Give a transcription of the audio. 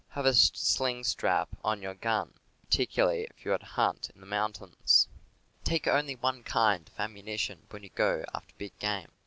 Have a sling strap on your gun, particularly if you are to hunt in the mountains. Take only one kind of ammunition when you go after big game.